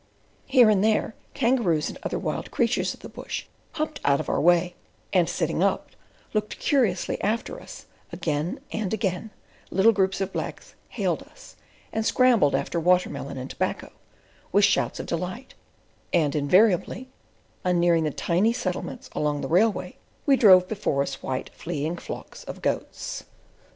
Here and there, kangaroos and other wild creatures of the bush hopped out of our way, and sitting up, looked curiously after us; again and again little groups of blacks hailed us, and scrambled after water melon and tobacco, with shouts of delight, and, invariably, on nearing the tiny settlements along the railway, we drove before us white fleeing flocks of goats.